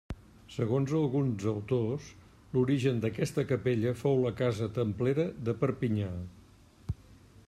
Segons alguns autors l'origen d'aquesta capella fou la casa templera de Perpinyà.